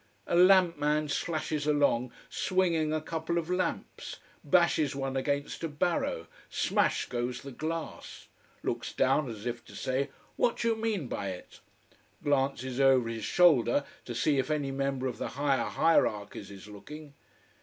A lamp man slashes along, swinging a couple of lamps. Bashes one against a barrow. Smash goes the glass. Looks down as if to say, What do you mean by it? Glances over his shoulder to see if any member of the higher hierarchies is looking.